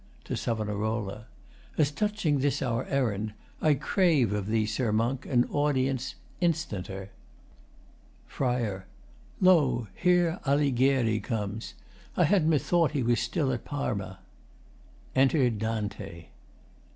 [To SAV.] As touching this our errand, I crave of thee, Sir Monk, an audience Instanter. FRI. Lo! Here Alighieri comes. I had methought me he was still at Parma. [Enter DANTE.] ST.